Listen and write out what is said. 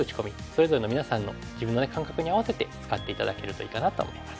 それぞれの皆さんの自分の感覚に合わせて使って頂けるといいかなと思います。